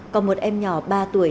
còn một em nhỏ ba tuổi